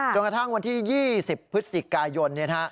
กระทั่งวันที่๒๐พฤศจิกายน